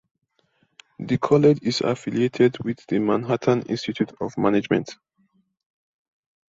The college is affiliated with the Manhattan Institute of Management.